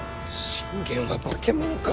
信玄は化け物か！